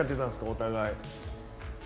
お互い。